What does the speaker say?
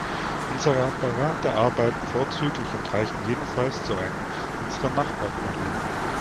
Unsere Apparate arbeiten vorzüglich und reichen jedenfalls zu einem unserer Nachbarplaneten.